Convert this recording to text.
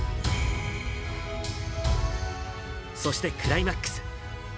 そしてクライマックス。